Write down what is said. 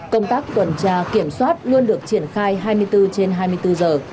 công tác tuần tra kiểm soát luôn được triển khai hai mươi bốn trên hai mươi bốn giờ